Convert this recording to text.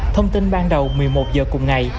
thông tin ban đầu một mươi một giờ cùng ngày